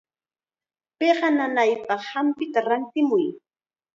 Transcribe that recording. Piqa nanaypaq hampita rantimuy.